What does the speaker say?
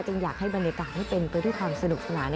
จึงอยากให้บรรยากาศให้เป็นตัวที่ความสนุกสนาน